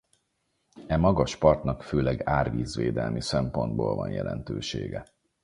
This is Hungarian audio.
E magas partnak főleg árvízvédelmi szempontból van jelentősége.